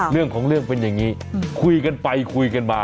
เรื่องของเรื่องเป็นอย่างนี้คุยกันไปคุยกันมา